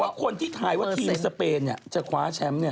คนที่ถ่ายว่าทีมสเปนจะคว้าแชมป์